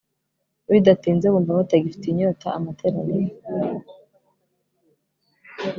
bidatinze bumva batagifitiye inyota amateraniro